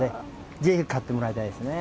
ぜひ買ってもらいたいですね。